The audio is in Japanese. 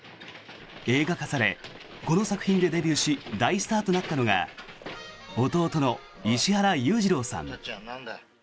映画化されこの作品でデビューし大スターとなったのが弟の石原裕次郎さん。